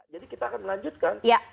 jadi kita akan melanjutkan